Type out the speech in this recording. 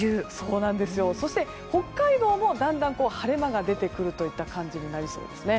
そして北海道もだんだん晴れ間が出てくる感じになりそうですね。